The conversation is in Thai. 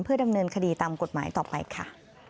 ดำเนินคดีตามกฎหมายต่อไปค่ะ